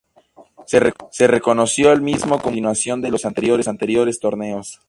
Se reconoció al mismo como una continuación de los anteriores torneos.